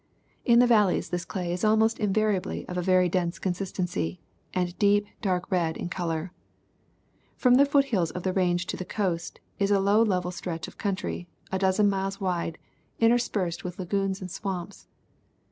In the valleys this clay is almost invariably of a very dense consistency, and deep, dark red in color. From the foot hills of the range to the coast, is a low level stretch of country, a dozen miles wide, interspersed with lagoons and swamps.